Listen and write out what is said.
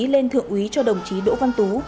lên thượng úy cho đồng chí đỗ văn tú